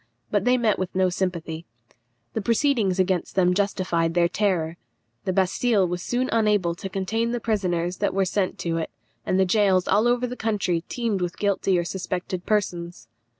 But they met with no sympathy. The proceedings against them justified their terror. The Bastille was soon unable to contain the prisoners that were sent to it, and the gaols all over the country teemed with guilty or suspected persons.